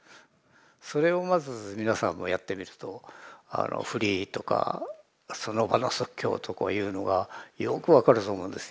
それをまず皆さんもやってみるとフリーとかその場の即興とかいうのがよく分かると思うんですよ。